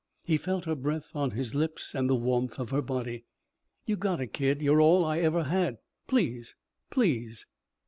He felt her breath on his lips and the warmth of her body. "You gotta, kid. You're all I ever had. Please, please."